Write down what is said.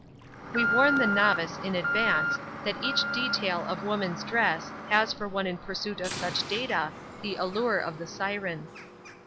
We warn the novice in advance that each detail of woman's dress has for one in pursuit of such data the allure of the siren.